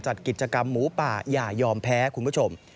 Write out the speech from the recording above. จัดกิจกรรมหมูป่าอย่ายอมแพ้คุณผู้ชม